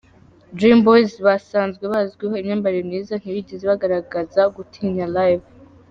Dream Boyz basanzwe bazwiho imyambarire myiza, ntibigeze bagaragaza gutinya Live.